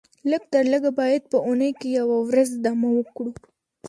لږ تر لږه باید په اونۍ کې یوه ورځ دمه وکړو